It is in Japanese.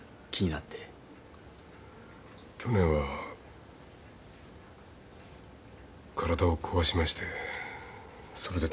去年は体を壊しましてそれでたぶん。